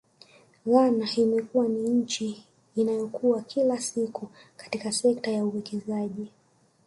Ghana imekuwa ni nchi inayokua kila siku katika sekta ya uwekezaji